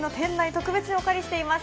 特別にお借りしています。